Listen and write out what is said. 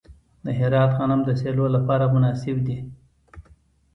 د هرات غنم د سیلو لپاره مناسب دي.